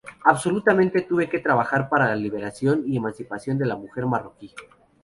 Absolutamente tuve que trabajar para la liberación y emancipación de la mujer marroquí.